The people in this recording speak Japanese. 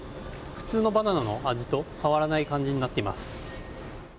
普通のバナナの味と変わらない感じになっています。